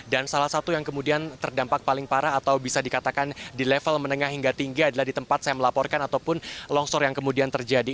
dan salah satu yang kemudian terdampak paling parah atau bisa dikatakan di level menengah hingga tinggi adalah di tempat saya melaporkan ataupun longsor yang kemudian terjadi